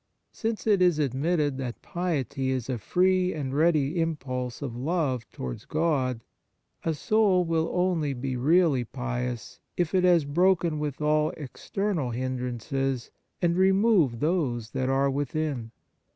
Since it is admitted that piety is a free and ready impulse of love to wards God, a soul will only be really pious if it has broken with all exter nal hindrances and removed those that are within.